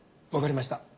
わかりました。